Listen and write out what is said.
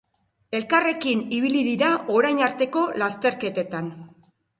Elkarrekin ibili dira orain arteko lasterketetan.